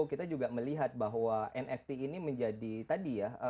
kita juga melihat bahwa nft ini menjadi tadi ya